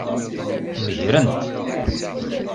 Megren-t.